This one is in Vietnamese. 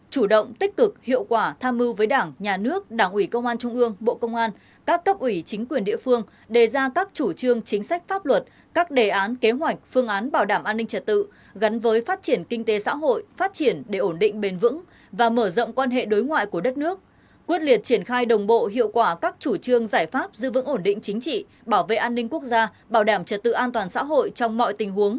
ba chủ động tích cực hiệu quả tham mưu với đảng nhà nước đảng ủy công an trung ương bộ công an các cấp ủy chính quyền địa phương đề ra các chủ trương chính sách pháp luật các đề án kế hoạch phương án bảo đảm an ninh trật tự gắn với phát triển kinh tế xã hội phát triển để ổn định bền vững và mở rộng quan hệ đối ngoại của đất nước quyết liệt triển khai đồng bộ hiệu quả các chủ trương giải pháp giữ vững ổn định chính trị bảo vệ an ninh quốc gia bảo đảm trật tự an toàn xã hội trong mọi